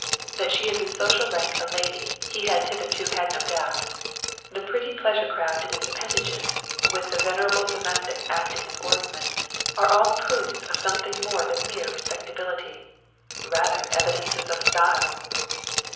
That she is in social rank a lady, he has hitherto had no doubt. The pretty pleasure craft and its appendages, with the venerable domestic acting as oarsman, are all proofs of something more than mere respectability rather evidences of style.